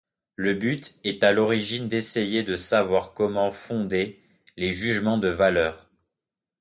Le but est à l'origine d'essayer de savoir comment fonder les jugements de valeur.